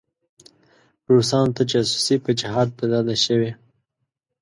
روسانو ته جاسوسي په جهاد بدله شوې.